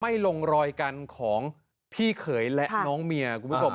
คือไม่ลงรอยกันของพี่เขยและน้องเมีย